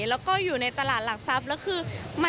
แล้วก็อยู่ในตลาดหลักทรัพย์แล้วคือ